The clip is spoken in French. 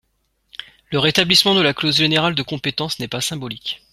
Le rétablissement de la clause générale de compétence n’est pas symbolique.